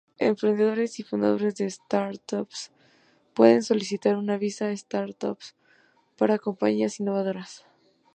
Emprendedores y fundadores de startups pueden solicitar una visa startups para compañías innovadoras.